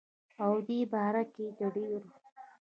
او دې باره کښې دَ ډيرو